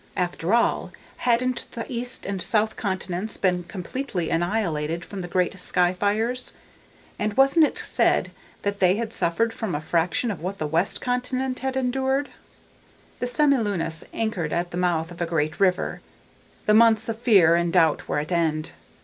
After all, hadn't the east and south continents been completely annihilated from the great sky fires; and wasn't it said that they had suffered but a fraction of what the west continent had endured? The Semilunis anchored at the mouth of a great river. The months of fear and doubt were at end.